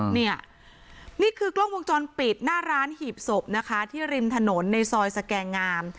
นี่คือกล้องวงจรปิดหน้าร้านหีบศพนะคะที่ริมถนนในซอยสแกงาม